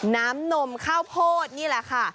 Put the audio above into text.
น้ำนมข้าวโพดนี่แหละค่ะ